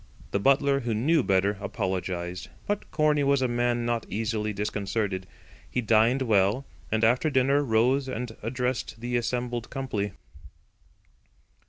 The butler, who knew better, apologised; but Corney was a man not easily disconcerted. He dined well, and after dinner rose and addressed the assembled company.